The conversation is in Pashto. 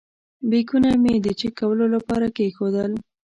بیکونه مې د چېک کولو لپاره کېښودل.